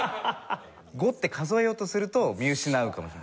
５って数えようとすると見失うかもしれない。